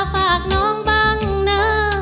ฝากน้องบ้างนะ